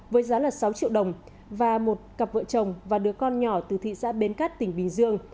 với giá là sáu triệu đồng và một cặp vợ chồng và đứa con nhỏ từ thị xã bến cát tỉnh bình dương